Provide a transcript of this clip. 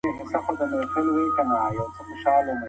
ورور د زور برخه ګرځي او خاموش پاتې کېږي.